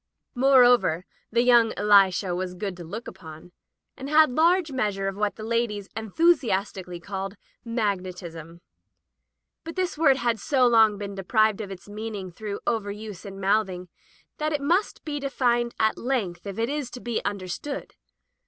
Moreover, the young Elisha was good to look upon, and had large meas ure of what the ladies enthusiastically called " magnetism.*' But this word has so long been deprived of its meaning through over use and mouthing that it must be defined at length if it is to be understood.